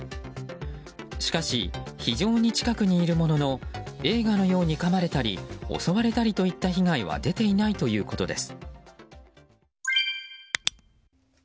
しかし、非常に近くにいるものの映画のようにかまれたり襲われたりといった被害は出ていないということです。